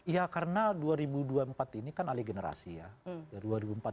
ya karena dua ribu dua puluh empat ini kan alih generasi ya